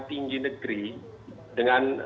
tinggi negeri dengan